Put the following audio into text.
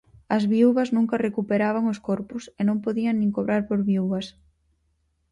As viúvas nunca recuperaban os corpos, e non podían nin cobrar por viúvas...